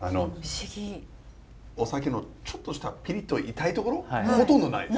お酒のちょっとしたピリッと痛いところほとんどないです。